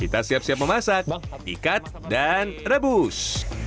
kita siap siap memasak ikat dan rebus